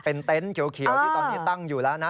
เป็นเต็นต์เขียวที่ตอนนี้ตั้งอยู่แล้วนะ